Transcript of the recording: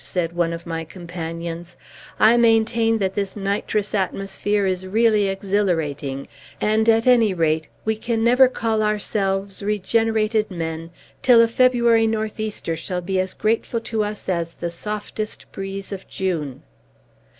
said one of my companions. "I maintain that this nitrous atmosphere is really exhilarating; and, at any rate, we can never call ourselves regenerated men till a February northeaster shall be as grateful to us as the softest breeze of June!"